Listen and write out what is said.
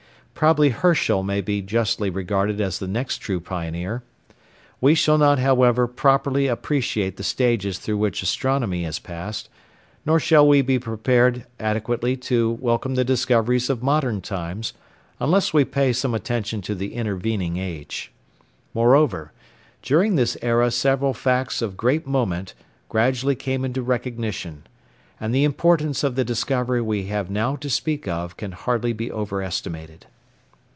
Probably Herschel may be justly regarded as the next true pioneer. We shall not, however, properly appreciate the stages through which astronomy has passed, nor shall we be prepared adequately to welcome the discoveries of modern times unless we pay some attention to the intervening age. Moreover, during this era several facts of great moment gradually came into recognition; and the importance of the discovery we have now to speak of can hardly be over estimated.